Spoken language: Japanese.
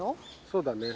そうだね。